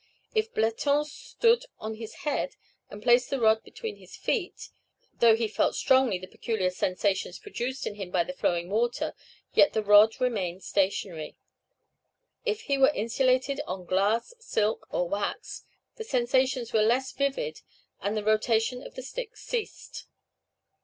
If Bleton stood on his head, and placed the rod between his feet, though he felt strongly the peculiar sensations produced in him by flowing water, yet the rod remained stationary. If he were insulated on glass, silk, or wax, the sensations were less vivid, and the rotation of the stick ceased."